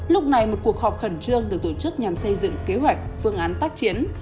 lúc này một cuộc họp khẩn trương được tổ chức nhằm xây dựng kế hoạch phương án tác chiến